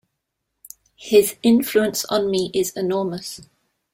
His influence on me is enormous.